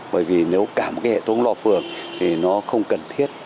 bởi vì nếu cả một hệ thống loa phường thì nó không cần thiết